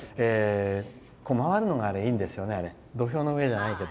回るのがいいんですよね。